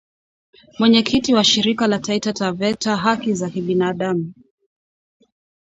Mwenyekiti wa shirika la Taita Taveta Haki za binadamu